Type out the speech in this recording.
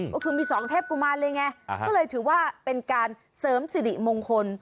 ก็คือมีสองเทพกุมารเลยไงก็เลยถือว่าเป็นการเสริมสิริมงคล